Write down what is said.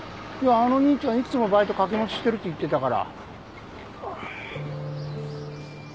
あの兄ちゃんいくつもバイト掛け持ちしてるって言ってたから。